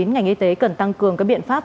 ngành y tế cần tăng cường các biện pháp